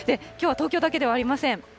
きょうは東京だけではありません。